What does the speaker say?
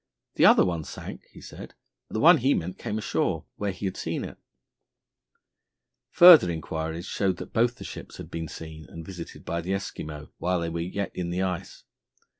The other one sank, he said; the one he meant came ashore, where he had seen it. Further inquiries showed that both the ships had been seen and visited by the Eskimo while they were yet in the ice.